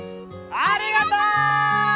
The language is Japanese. ありがとう！